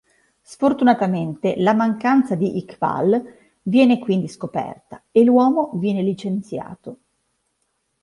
Sfortunatamente, la mancanza di Iqbal viene quindi scoperta, e l'uomo viene licenziato.